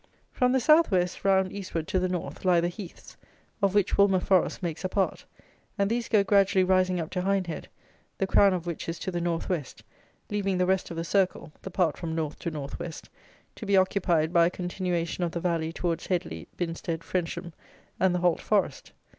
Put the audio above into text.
From the south west, round, eastward, to the north, lie the heaths, of which Woolmer Forest makes a part, and these go gradually rising up to Hindhead, the crown of which is to the north west, leaving the rest of the circle (the part from north to north west) to be occupied by a continuation of the valley towards Headley, Binstead, Frensham and the Holt Forest.